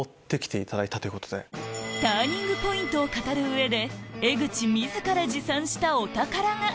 ターニングポイントを語る上で江口自ら持参したお宝が！